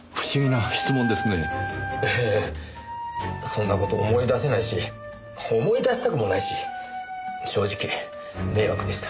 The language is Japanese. そんな事思い出せないし思い出したくもないし正直迷惑でした。